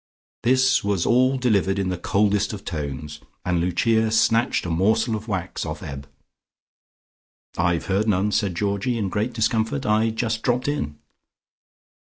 This was all delivered in the coldest of tones, and Lucia snatched a morsel of wax off Eb. "I've heard none," said Georgie in great discomfort. "I just dropped in."